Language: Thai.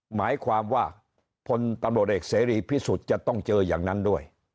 หมายความว่าพลตำรวจเอกเสรีพิสุทธิ์จะต้องเจออย่างนั้นด้วย